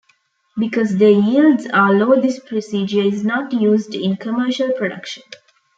Because the yields are low this procedure is not used in commercial production.